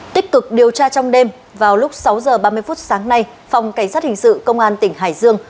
tích cực điều tra trong đêm vào lúc sáu h ba mươi phút sáng nay phòng cảnh sát hình sự công an tỉnh hải dương